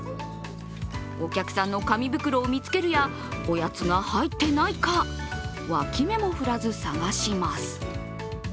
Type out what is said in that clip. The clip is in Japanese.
お客さんの紙袋を見つけるや、おやつが入っていないか、脇目もふらず探します。